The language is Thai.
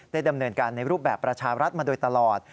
ดำเนินการในรูปแบบประชารัฐมาโดยตลอด